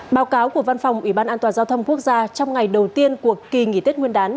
báo cáo của văn phòng ủy ban an toàn giao thông quốc gia trong ngày đầu tiên của kỳ nghỉ tết nguyên đán